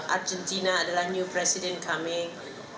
argentina adalah new president coming